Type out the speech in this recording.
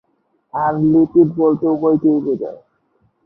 আর lipid বলতে উভয়কেই বোঝায়।